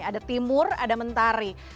ada timur ada mentari